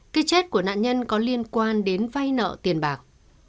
cái chết của nạn nhân có liên quan đến vay nợ tiền bạc